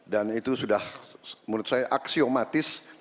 dan itu sudah menurut saya aksiomatis